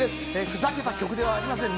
ふざけた曲ではありません。